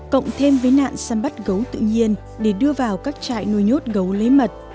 cộng thêm với nạn săn bắt gấu tự nhiên để đưa vào các trại nuôi nhốt gấu lấy mật